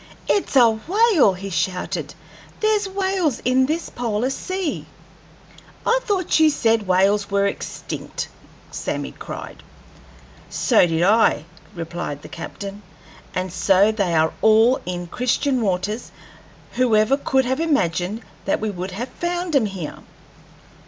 "It's a whale!" he shouted. "There's whales in this polar sea!" "I thought you said whales were extinct," cried Sammy. "So I did," replied the captain. "And so they are in all Christian waters. Who ever could have imagined that we would have found 'em here?"